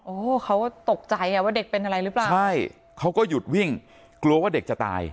เขาก็ตกใจอ่ะว่าเด็กเป็นอะไรหรือเปล่าใช่เขาก็หยุดวิ่งกลัวว่าเด็กจะตาย